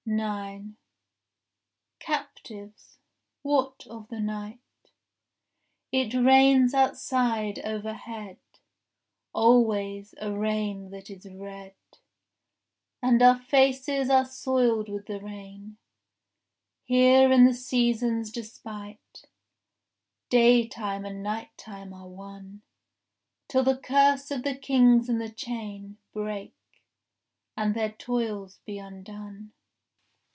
9 Captives, what of the night?— It rains outside overhead Always, a rain that is red, And our faces are soiled with the rain. Here in the seasons' despite Day time and night time are one, Till the curse of the kings and the chain Break, and their toils be undone.